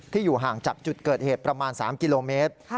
อยู่ห่างจากจุดเกิดเหตุประมาณ๓กิโลเมตร